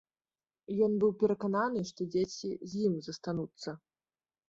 Ён быў перакананы, што дзеці з ім застануцца.